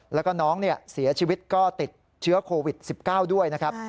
แล้วก็น้องเสียชีวิตก็ติดเชื้อโควิด๑๙ด้วยนะครับ